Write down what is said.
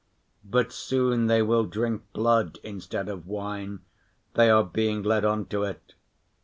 But soon they will drink blood instead of wine, they are being led on to it.